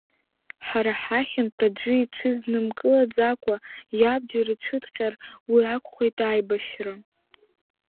Ҳара ҳахьынтә аӡәы иҽизнымкылаӡакәа иабџьар ицәыҭҟьар, уи акәхеит аибашьра.